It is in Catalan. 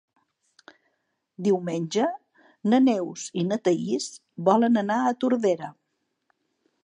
Diumenge na Neus i na Thaís volen anar a Tordera.